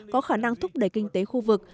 có khả năng thúc đẩy kinh tế khu vực